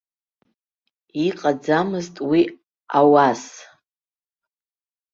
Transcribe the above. Иҟаӡамызт уи ауас.